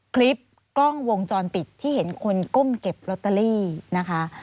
คลิปกล้องวงจรปิดที่เห็นคนก้มเก็บลอตเตอรี่นะคะ